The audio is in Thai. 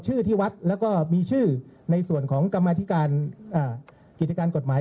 ชื่อที่วัดแล้วก็มีชื่อในส่วนของกรรมธิการอ่ากิจการกฎหมายกฎหมาย